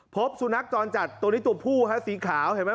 พบสุนัขจรจัดตัวนี้ตัวผู้ฮะสีขาวเห็นไหม